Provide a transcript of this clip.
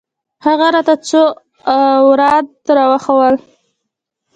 هغه راته څو اوراد راوښوول.